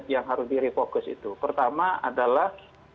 yang harus direfokus itu pertama adalah